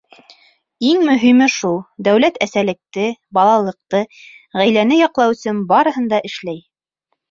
Иң мөһиме шул: дәүләт әсәлекте, балалыҡты, ғаиләне яҡлау өсөн барыһын да эшләй.